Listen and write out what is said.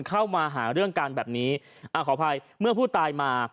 เข้ามาหาเรื่องการแบบนี้อ่าขออภัยเมื่อผู้ตายมา